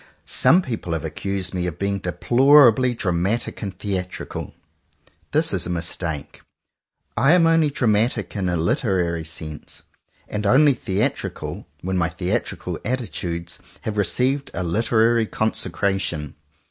Some people have accused me of being deplorably dramatic and theatrical. This is a mistake. I am only dramatic in a literary sense, and only theatrical when my theatrical atti tudes have received a literary consecration.